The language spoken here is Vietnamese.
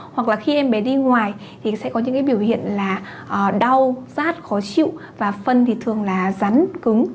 hoặc là khi em bé đi ngoài thì sẽ có những cái biểu hiện là đau rát khó chịu và phân thì thường là rắn cứng